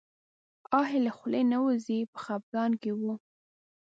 آه یې له خولې نه وځي په خپګان کې و.